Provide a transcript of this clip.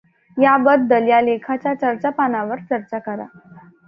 या बद्दल या लेखाच्या चर्चा पानावर चर्चा करा.